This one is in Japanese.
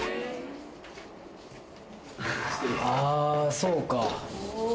あぁそうか。